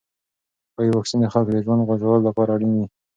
ښايي واکسین د خلکو د ژوند ژغورلو لپاره اړین وي.